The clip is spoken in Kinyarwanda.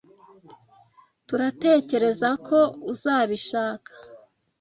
turatekerezako uzabishaka.